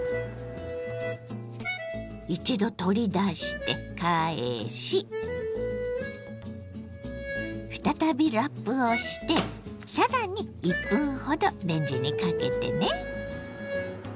一度取り出して返し再びラップをして更に１分ほどレンジにかけてね。